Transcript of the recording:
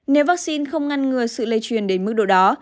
nếu vaccine không ngăn ngừa sự lây truyền đến mức độ đó